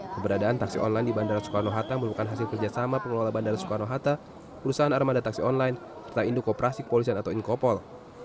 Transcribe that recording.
pengelola bandara soekarno hatta meluncurkan enam puluh taksi berbasis daring atau online dan menggandeng indokoperasi kepolisian atau inkopol